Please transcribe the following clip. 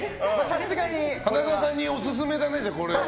花澤さんにオススメだね、これは。